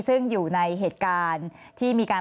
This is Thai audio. ซึ่งอยู่ในเหตุการณ์ที่มีการ